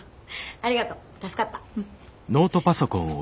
ありがと助かった。